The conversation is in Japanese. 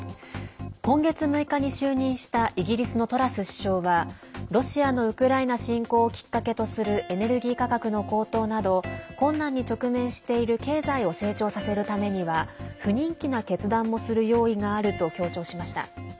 今月６日に就任したイギリスのトラス首相はロシアのウクライナ侵攻をきっかけとするエネルギー価格の高騰など困難に直面している経済を成長させるためには不人気な決断もする用意があると強調しました。